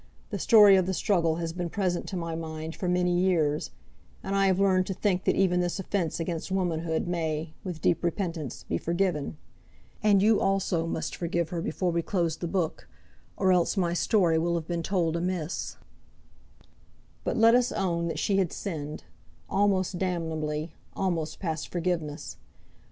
The story of the struggle has been present to my mind for many years, and I have learned to think that even this offence against womanhood may, with deep repentance, be forgiven. And you also must forgive her before we close the book, or else my story will have been told amiss. But let us own that she had sinned, almost damnably, almost past forgiveness.